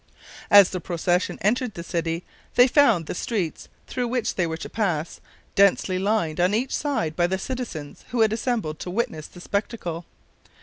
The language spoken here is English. As the procession entered the city, they found the streets through which they were to pass densely lined on each side by the citizens who had assembled to witness the spectacle.